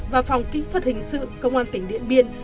và phòng kỹ thuật hình sự công an tỉnh điện biên